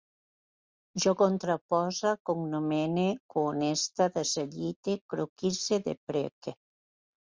Jo contrapose, cognomene, cohoneste, desallite, croquise, depreque